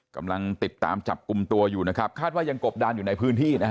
กำลังติดตามจับกลุ่มตัวอยู่นะครับคาดว่ายังกบดานอยู่ในพื้นที่นะฮะ